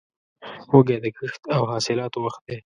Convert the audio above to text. وږی د کښت او حاصلاتو وخت دی.